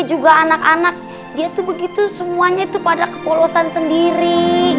juga anak anak dia tuh begitu semuanya itu pada kepolosan sendiri